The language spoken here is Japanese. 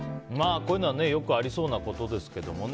こういうのはよくありそうなことですけどね